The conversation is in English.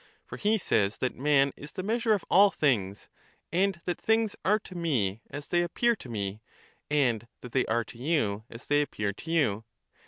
For he says that man is the measure of all things, and that things are to me as they appear to me, and that they are to you as they appear to you.